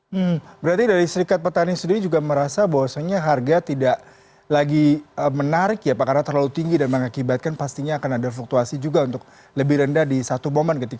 hmm berarti dari serikat petani sendiri juga merasa bahwasannya harga tidak lagi menarik ya pak karena terlalu tinggi dan mengakibatkan pastinya akan ada fluktuasi juga untuk lebih rendah di satu momen